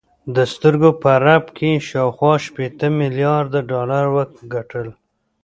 د سترګو په رپ کې یې شاوخوا شپېته میلارده ډالر وګټل